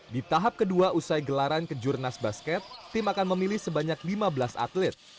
di tahap kedua usai gelaran kejurnas basket tim akan memilih sebanyak lima belas atlet